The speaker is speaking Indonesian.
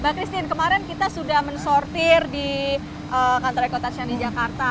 mbak christine kemarin kita sudah mensortir di kantor rekodasi yang ada di jakarta